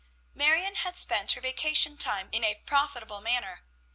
Marion had spent her vacation time in a profitable manner.